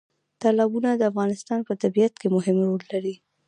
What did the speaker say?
تالابونه د افغانستان په طبیعت کې مهم رول لري.